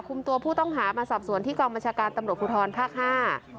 คุมตัวผู้ต้องหามาสับส่วนที่กรมจาการตำรวจผู้ทอดภาคห้า